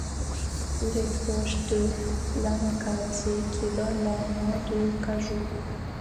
Il est proche de l'anacardier, qui donne la noix de cajou.